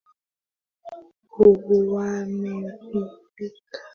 wameviweka miezi sita iliyopita